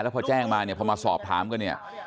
พอแจ้งมาเนี่ยพอมาสอบถามกันเนี่ย